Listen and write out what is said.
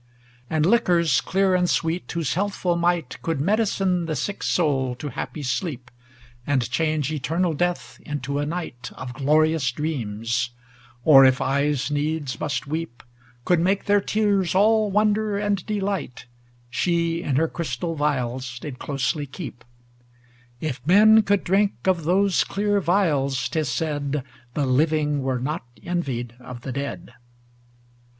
XVII And liquors clear and sweet, whose health ful might Could medicine the sick soul to happy sleep, And change eternal death into a night Of glorious dreams ŌĆö or, if eyes needs must weep, Could make their tears all wonder and de light ŌĆö She in her crystal vials did closely keep; If men could drink of those clear vials, 't is said, The living were not envied of the dead.